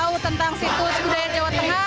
saya tidak tahu tentang situs budaya jawa tengah